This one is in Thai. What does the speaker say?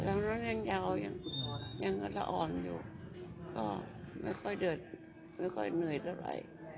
ตอนนั้นยังยาวยังละอ่อนอยู่ก็ไม่ค่อยเดินไม่ค่อยเหนื่อยเท่าไหร่